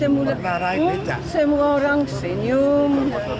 senyum semuanya orang senyum